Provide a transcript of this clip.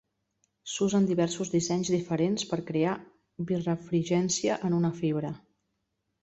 S'usen diversos dissenys diferents per crear birefringència en una fibra.